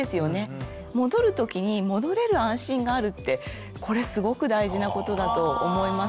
戻る時に戻れる安心があるってこれすごく大事なことだと思います。